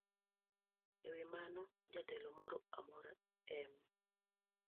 E wi mano, jatelo moro amora e m